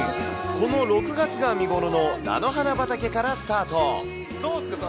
この６月が見頃の菜の花畑からスタート。